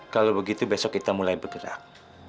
kalau begitu besok kita mulai bergerak